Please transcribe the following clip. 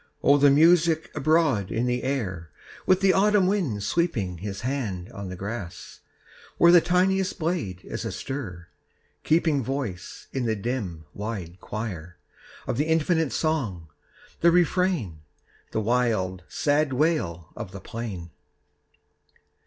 O the music abroad in the air, With the autumn wind sweeping His hand on the grass, where The tiniest blade is astir, keeping Voice in the dim, wide choir, Of the infinite song, the refrain, The wild, sad wail of the plain